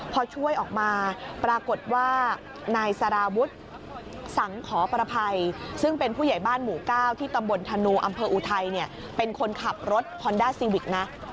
พอช่วยออกมาปรากฏว่านายสารวุฒิสังขอประภัยซึ่งเป็นผู้ใหญ่บ้านหมู่๙ที่ตำบลธนูอำเภออุทัยเนี่ยเป็นคนขับรถฮอนด้าซีวิกนะ